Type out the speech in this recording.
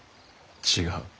違う。